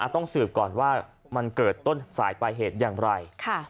ต้องสืบก่อนว่ามันเกิดต้นสายปลายเหตุอย่างไร